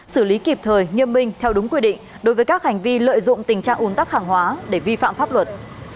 xử lý kịp thời nghiêm minh theo đúng quy định đối với các hành vi lợi dụng tình trạng uốn tắc hàng hóa để vi phạm pháp luật